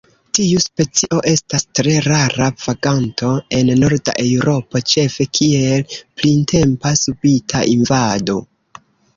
Tiu specio estas tre rara vaganto en norda Eŭropo, ĉefe kiel printempa subita invado.